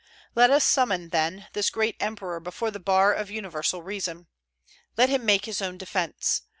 Let us summon, then, this great Emperor before the bar of universal reason. Let him make his own defence.